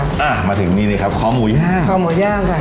อ่ามาถึงนี่เลยครับคอหมูย่างคอหมูย่างค่ะ